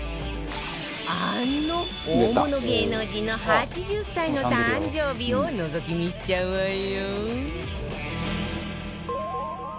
あの大物芸能人の８０歳の誕生日をのぞき見しちゃうわよ